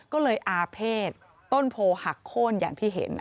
ก็เลยอาเภษต้นโพหักโค้นอย่างที่เห็น